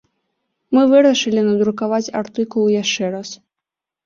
Мы вырашылі надрукаваць артыкул яшчэ раз.